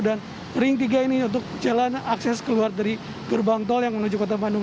dan ring tiga ini untuk jalan akses keluar dari gerbang tol yang menuju kota bandung